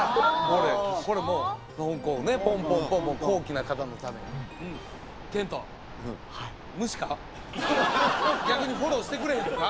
これもうこうねポンポンポンポン高貴な方のために逆にフォローしてくれへんのか？